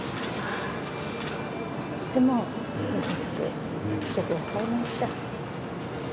いつも優しくしてくださいました。